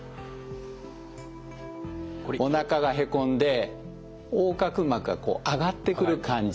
おなかがへこんで横隔膜が上がってくる感じ。